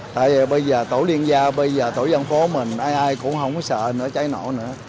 tại vì bây giờ tổ liên gia bây giờ tổ dân phố mình ai ai cũng không có sợ nữa cháy nổ nữa